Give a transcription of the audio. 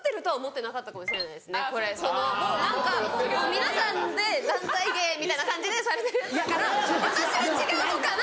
皆さんで団体芸みたいな感じでされてるから私は違うのかなと。